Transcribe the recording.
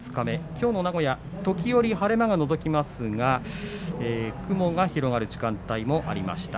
きょうの名古屋、時折晴れ間がのぞいていますが雲が広がる時間帯がありました。